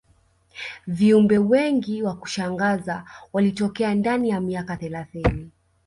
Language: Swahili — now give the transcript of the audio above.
viumbe wengi wa kushangaza walitokea ndani ya miaka thelathini